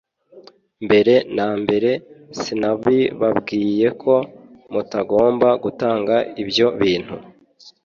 mbere na mbere sinabibabwiye ko mutagomba gutanga ibyo bintu